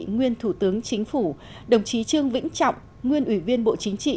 nguyên thủ tướng chính phủ đồng chí trương vĩnh trọng nguyên ủy viên bộ chính trị